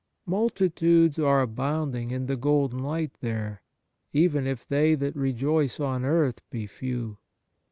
Multitudes are abounding in the golden light there, even if they that rejoice on earth be few.